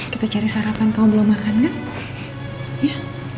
kita cari sarapan kamu belum makan gak